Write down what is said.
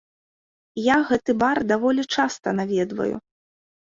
Я гэты бар даволі часта наведваю.